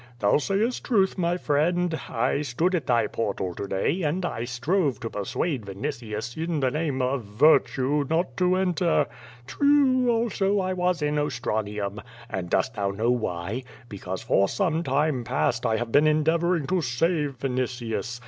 Thou sayest truth, my friend, I stood at thy portal to day, and I strove to persuade Vinitius, in the name of virtue, not to enter. True, also, I was in Os tranium. And dost thou know why? Because for some time past 1 have been endeavoring to save Vinitius.